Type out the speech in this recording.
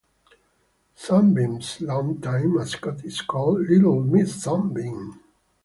Sunbeam's long-time mascot is called Little Miss Sunbeam.